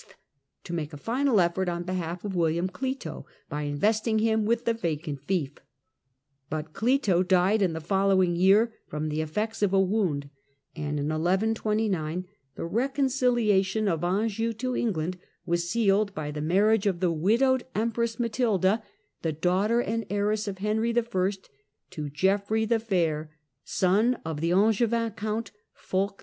to make a final effort on behalf of William Clito by investing him with the vacant fief. But Clito died in the following year from the effects of a wound, and in 1129 the reconciliation of Anjou to England was sealed by the marriage of the widowed Empress Matilda, the daughter and heiress of Henry L, to Geoffrey the Fair, son of the Angevin count, Fulk V.